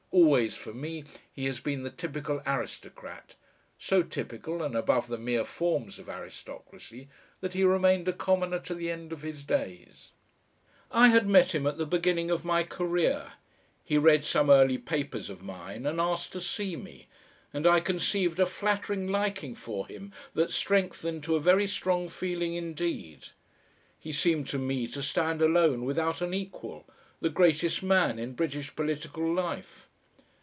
Always for me he has been the typical aristocrat, so typical and above the mere forms of aristocracy, that he remained a commoner to the end of his days. I had met him at the beginning of my career; he read some early papers of mine, and asked to see me, and I conceived a flattered liking for him that strengthened to a very strong feeling indeed. He seemed to me to stand alone without an equal, the greatest man in British political life.